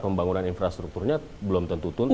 pembangunan infrastrukturnya belum tentu tuntas